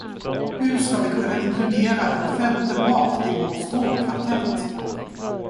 Hur ska vi kunna inkludera en femte part i vår stråkkvartett?